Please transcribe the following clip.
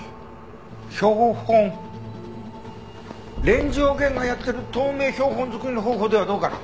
連城源がやってる透明標本作りの方法ではどうかな？